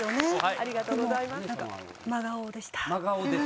ありがとうございます。